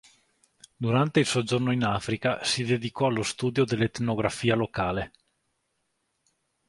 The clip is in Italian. Durante il soggiorno in Africa si dedicò allo studio dell’etnografia locale.